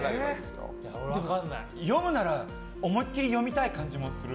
読むなら思いっきり読みたい感じもする。